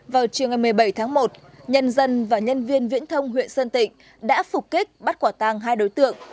vào chiều ngày một mươi bảy tháng một nhân dân và nhân viên viễn thông huyện sơn tịnh đã phục kích bắt quả tàng hai đối tượng